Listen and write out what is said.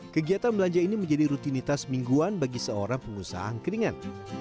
kegiatan belanja ini menjadi rutinitas mingguan bagi seorang pengusaha angkringan